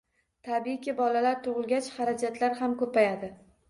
Tabiiyki, bolalar tug`ilgach, xarajatlar ham ko`paydi